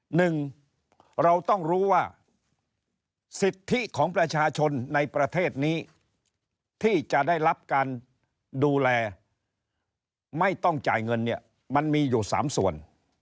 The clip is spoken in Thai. หนึ่งเราต้องรู้ว่าสิทธิของประชาชนในประเทศนี้ที่จะได้รับการดูแลไม่ต้องจ่ายเงินเนี่ยมันมีอยู่สามส่วน